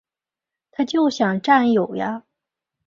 他就想占有呀